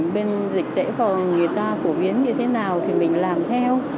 bên dịch tễ phòng người ta phổ biến như thế nào thì mình làm theo